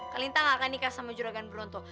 kak linta gak akan nikah sama juragan bronto